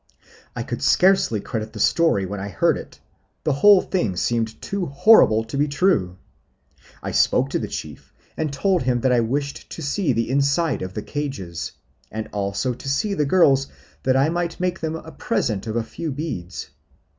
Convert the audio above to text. I could scarcely credit the story when I heard it; the whole thing seemed too horrible to be true. I spoke to the chief, and told him that I wished to see the inside of the cages, and also to see the girls that I might make them a present of a few beads.